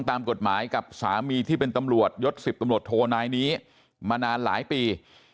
ตามกฎหมายกับสามีที่เป็นตำรวจยศ๑๐ตำรวจโทนายนี้มานานหลายปี